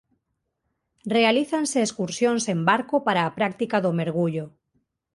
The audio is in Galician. Realízanse excursións en barco para a práctica do mergullo.